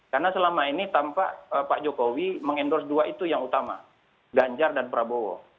karena selama ini tampak pak jokowi mengendorse dua itu yang utama ganjar dan prabowo